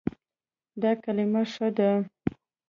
دا کلمه ښه ده